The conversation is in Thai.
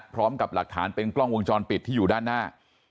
พร้อมกับหลักฐานเป็นกล้องวงจรปิดที่อยู่ด้านหน้า